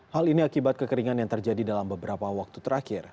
hal ini akibat kekeringan yang terjadi dalam beberapa waktu terakhir